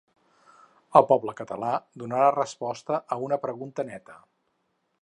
El poble català donarà resposta a una pregunta neta.